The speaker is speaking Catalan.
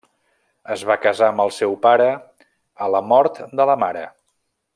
Es va casar amb el seu pare a la mort de la mare.